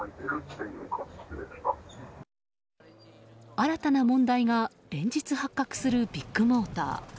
新たな問題が連日発覚するビッグモーター。